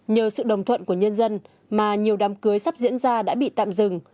nhờ sự đồng thuận của nhân dân mà nhiều đám cưới sắp diễn ra đã bị tạm dừng